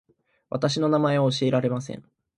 私の名前は教えられません